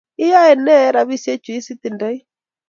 Iyae ne eng rabisiek chu hce itindoi?